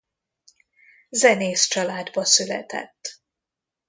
Zenész családba született.